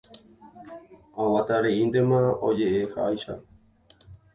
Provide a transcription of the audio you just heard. Aguatareíntema oje'eháicha.